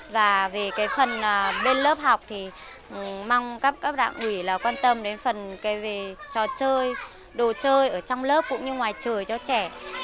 và về cái phần bên lớp học thì mong các cấp đảng ủy là quan tâm đến phần cái về trò chơi đồ chơi ở trong lớp cũng như ngoài trời cho trẻ